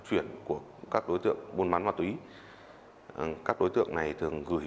chuyện này đối tượng đã bắt giữ đối tượng lại đức hùng bốn mươi năm tuổi